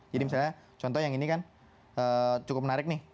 jadi misalnya contoh yang ini kan cukup menarik nih